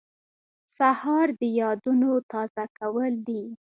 سهار د یادونو تازه کول دي.